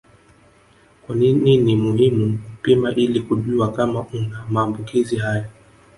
Kwa nini ni muhimu kupima ili kujua kama una maambukizi haya